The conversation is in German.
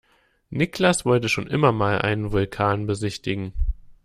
Niklas wollte schon immer mal einen Vulkan besichtigen.